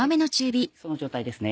その状態ですね。